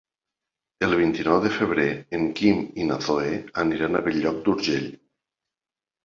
El vint-i-nou de febrer en Quim i na Zoè aniran a Bell-lloc d'Urgell.